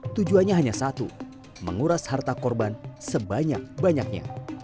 tujuannya hanya satu menguras harta korban sebanyak banyaknya